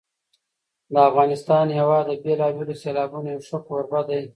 د افغانستان هېواد د بېلابېلو سیلابونو یو ښه کوربه دی.